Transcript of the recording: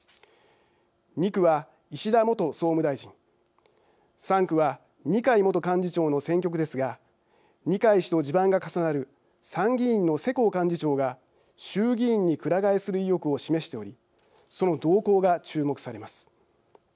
２区は石田元総務大臣３区は二階元幹事長の選挙区ですが二階氏と地盤が重なる参議院の世耕幹事長が衆議院に、くら替えする意欲を示しておりその動向が注目されます。